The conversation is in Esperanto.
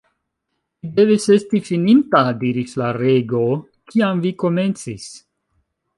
"Vi devis esti fininta," diris la Rego, "Kiam vi komencis?"